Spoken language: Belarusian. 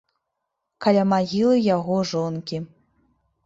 Каля магілы яго жонкі.